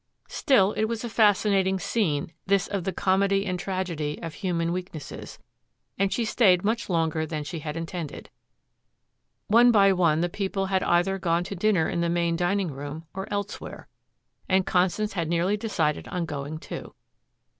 Still, it was a fascinating scene, this of the comedy and tragedy of human weaknesses, and she stayed much longer than she had intended. One by one the people had either gone to dinner in the main dining room or elsewhere and Constance had nearly decided on going, too.